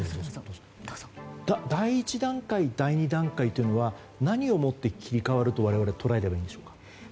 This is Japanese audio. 第１段階第２段階というのは何をもって切り替わると我々は捉えればいいんでしょうか。